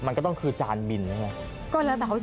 นี่มันมันก็ใม่มาก